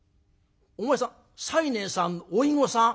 「お前さん西念さんの甥御さん？